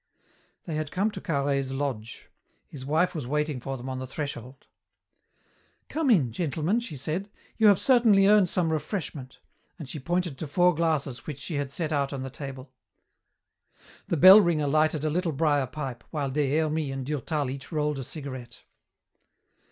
They had come to Carhaix's lodge. His wife was waiting for them on the threshold. "Come in, gentlemen," she said. "You have certainly earned some refreshment," and she pointed to four glasses which she had set out on the table. The bell ringer lighted a little briar pipe, while Des Hermies and Durtal each rolled a cigarette.